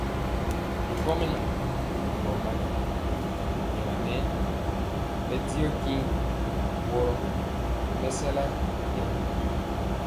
Bi ŋgomnaŋ nɛ boro mali, y jala nɛɛ bɛ diɔ tiŋg woro ri mɛsala ntira.